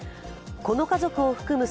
この家族を含む